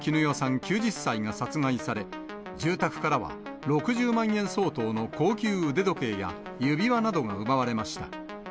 ９０歳が殺害され、住宅からは６０万円相当の高級腕時計や指輪などが奪われました。